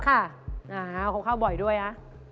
เขาเข้าบ่อยด้วยนะ